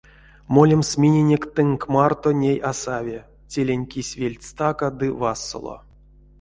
Молемс миненек тынк марто ней а сави: телень кись вельть стака ды васоло.